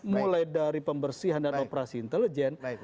mulai dari pembersihan dan operasi intelijen